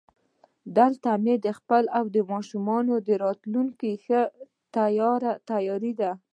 دلته مې خپل او د ماشومانو راتلونکی ډېر تیاره دی